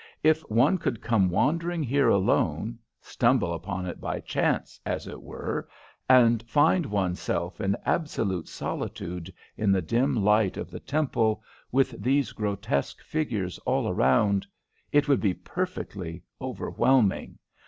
"If one could come wandering here alone stumble upon it by chance, as it were and find one's self in absolute solitude in the dim light of the temple, with these grotesque figures all around, it would be perfectly overwhelming.